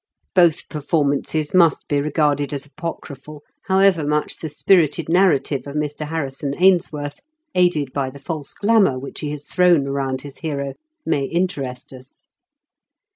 30 IN KENT WITH CHAELE8 DICKENS. Both performances must be regarded as apo cryphal, however much the spirited narrative of Mr. Harrison Ainsworth, aided by the false glamour which he has thrown around his hero, may interest us.